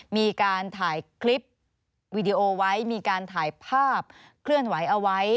มีการถ่ายคลิปวีดีโอไว้มีการถ่ายภาพเคลื่อนไหวเอาไว้